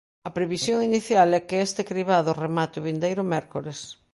A previsión inicial é que este cribado remate o vindeiro mércores.